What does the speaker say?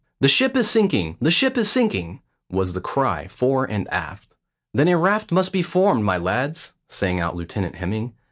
"The ship is sinking, the ship is sinking," was the cry fore and aft. "Then a raft must be formed, my lads," sang out Lieutenant Hemming.